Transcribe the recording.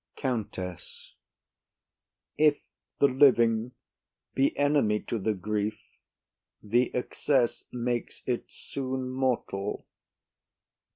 COUNTESS. If the living be enemy to the grief, the excess makes it soon mortal.